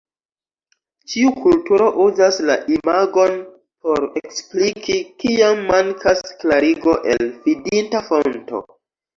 Ĉiu kulturo uzas la imagon por ekspliki, kiam mankas klarigo el fidinda fonto.